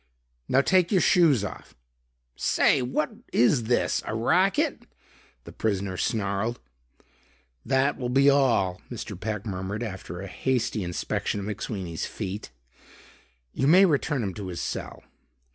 "Now take your shoes off." "Say, what is this, a racket?" the prisoner snarled. "That will be all," Mr. Peck murmured after a hasty inspection of McSweeney's feet. "You may return him to his cell.